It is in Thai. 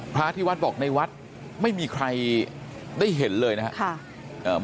พระที่วัดบอกในวัดไม่มีใครได้เห็นเลยนะครับ